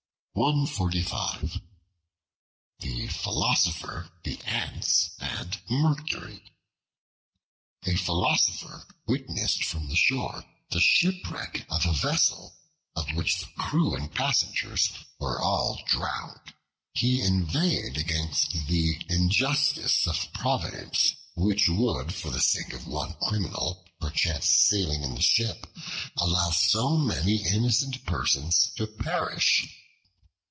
The Philosopher, the Ants, and Mercury A PHILOSOPHER witnessed from the shore the shipwreck of a vessel, of which the crew and passengers were all drowned. He inveighed against the injustice of Providence, which would for the sake of one criminal perchance sailing in the ship allow so many innocent persons to perish.